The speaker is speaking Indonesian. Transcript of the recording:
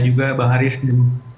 juga bang haris dan